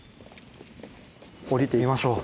下りてみましょう。